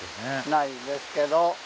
ないですけど。